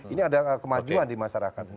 ini ada kemajuan di masyarakat